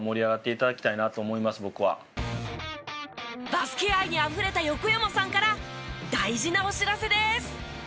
バスケ愛にあふれた横山さんから大事なお知らせです！